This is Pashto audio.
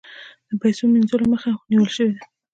د پیسو مینځلو مخه نیول شوې ده؟